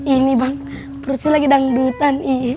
ini bang perut saya lagi dangdutan